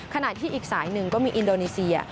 ขณะที่อีกสายหนึ่งก็มีอินโดนีเซีย